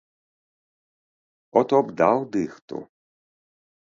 О то б даў дыхту!